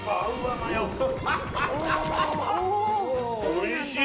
おいしい！